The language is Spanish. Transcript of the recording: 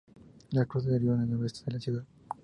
El cruza el río en el nordeste de la ciudad.